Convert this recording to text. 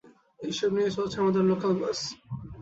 এসব নিয়েই চলছে আমাদের লোকাল বাস।